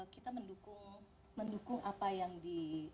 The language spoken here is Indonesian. kita mendukung apa yang di